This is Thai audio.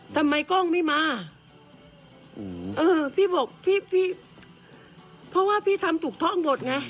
ทำไมกล้องไม่มาพี่บอกเพราะว่าพี่ทำถูกต้องบทไง